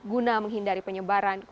guna menghindari penerbangan asing